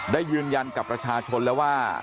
ได้ยืนยันกับประชาชนแล้วว่า